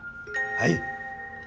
はい。